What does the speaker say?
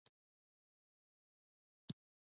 آزاد تجارت مهم دی ځکه چې افغانستان پرمختګ کوي.